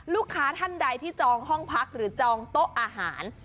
ท่านใดที่จองห้องพักหรือจองโต๊ะอาหาร